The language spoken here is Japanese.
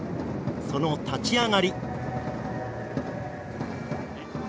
その立ち上がり。